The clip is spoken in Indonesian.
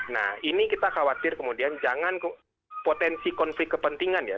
nah ini kita khawatir kemudian jangan potensi konflik kepentingan ya